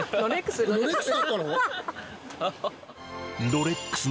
ロレックス。